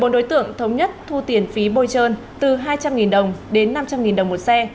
bốn đối tượng thống nhất thu tiền phí bôi trơn từ hai trăm linh đồng đến năm trăm linh đồng một xe